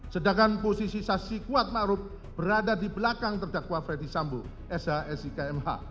sedangkan posisi saksi kuat makrub berada di belakang terdakwa freddy sambu sh sik mh